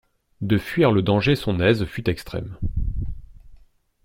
De fuir le danger son aise fut extrême.